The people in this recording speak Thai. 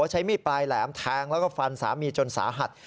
ใช้มีดปลายแหลมแทงแล้วก็ฟันสามีจนสาหัส